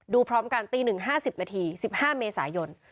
ดูพร้อมกันตี๑น๕๐น๑๕เมษายน